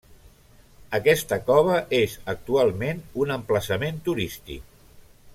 Aquesta cova és actualment un emplaçament turístic.